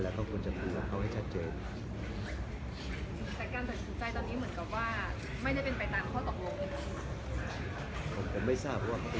เราจะต้องเอาข้อเสนอกของพักเล็กไปซึ่งซึ่งกับ